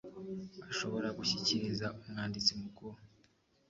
ashobora gushyikiriza Umwanditsi Mukuru